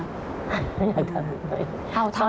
ไม่อยากทำ